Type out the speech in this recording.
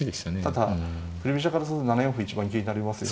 ただ振り飛車からすると７四歩一番気になりますよね。